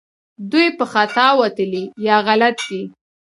دوی په خطا وتلي یا غلط دي